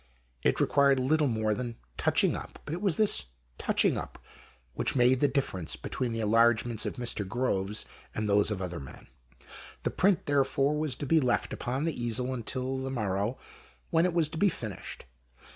It required, little more than "touching up," but it wa'is this " touching up " which made the differenc« 3 between the enlargements of Mr. Groves anill those of other men. The print, therefore, was to be left upon the easel until the morrow , when it was to be finished.